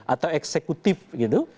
atau eksekutif gitu